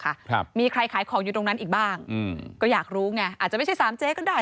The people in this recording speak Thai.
ครับมีใครขายของอยู่ตรงนั้นอีกบ้างอืมก็อยากรู้ไงอาจจะไม่ใช่สามเจ๊ก็ได้